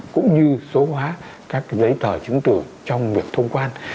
cũng như số hóa các giấy tờ chứng tử trong việc thông quan